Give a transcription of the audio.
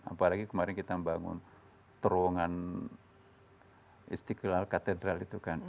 apalagi kemarin kita membangun terowongan istiqlal katedral itu kan